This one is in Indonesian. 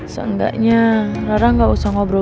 seenggaknya rara gak usah ngobrol